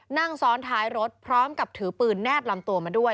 นั่งซ้อนท้ายรถพร้อมกับถือปืนแนบลำตัวมาด้วย